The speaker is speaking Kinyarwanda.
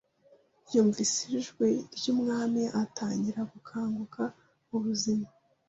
yumvise ijwi ry'umwana Atangira gukanguka mubuzima